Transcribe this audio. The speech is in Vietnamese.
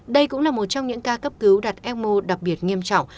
đây cũng là một trong những ca cấp cứu đặt eo đặc biệt nghiêm trọng